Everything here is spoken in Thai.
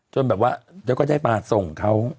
จนแบบว่าแล้วก็ได้มาส่งเขา